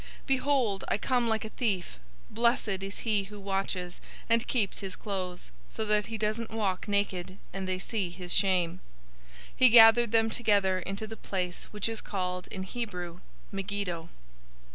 016:015 "Behold, I come like a thief. Blessed is he who watches, and keeps his clothes, so that he doesn't walk naked, and they see his shame." 016:016 He gathered them together into the place which is called in Hebrew, Megiddo.